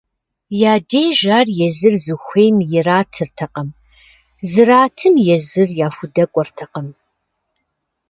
Я деж ар езыр зыхуейм иратыртэкъым, зратым езыр яхудэкӏуэртэкъым.